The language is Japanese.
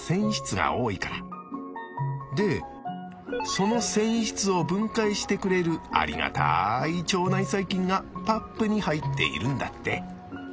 その繊維質を分解してくれるありがたい腸内細菌がパップに入っているんだって。